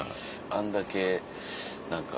あんだけ何か。